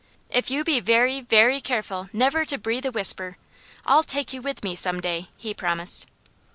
"If you be very, very careful never to breathe a whisper, I'll take you with me some day," he promised.